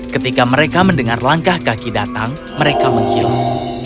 ketika mereka mendengar langkah kaki datang mereka menghilang